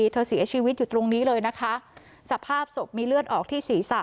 เสียชีวิตอยู่ตรงนี้เลยนะคะสภาพศพมีเลือดออกที่ศีรษะ